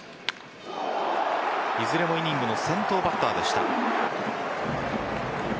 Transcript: いずれもイニングの先頭バッターでした。